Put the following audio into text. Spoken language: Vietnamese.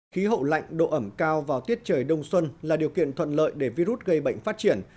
khí hậu lạnh độ ẩm cao vào tiết trời đông xuân là điều kiện thuận lợi để virus gây bệnh phát triển